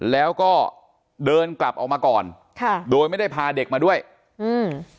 แล้วก็เดินกลับออกมาก่อนค่ะโดยไม่ได้พาเด็กมาด้วยอืม